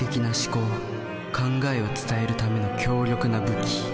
考えを伝えるための強力な武器。